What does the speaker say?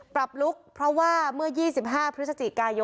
เป็นลุคใหม่ที่หลายคนไม่คุ้นเคย